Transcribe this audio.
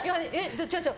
違う、違う。